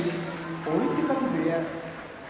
追手風部屋